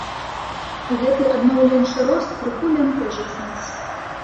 Гэты аднаўленчы рост крыху бянтэжыць нас.